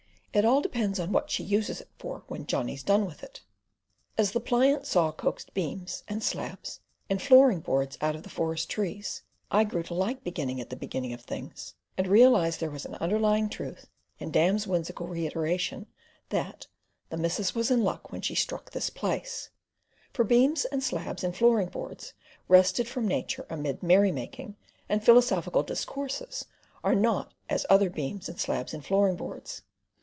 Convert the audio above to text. It all depends what she uses it for when Johnny's done with it." As the pliant saw coaxed beams, and slabs, and flooring boards out of the forest trees I grew to like beginning at the beginning of things, and realised there was an underlying truth in Dan's whimsical reiteration, that "the missus was in luck when she struck this place"; for beams and slabs and flooring boards wrested from Nature amid merrymaking and philosophical discourses are not as other beams and slabs and flooring boards.